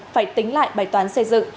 phải tính lại bài toán xây dựng